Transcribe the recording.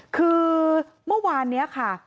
คือเมื่อวานนี้ค่ะ